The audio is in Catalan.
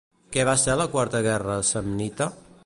Què va ser la quarta guerra samnita?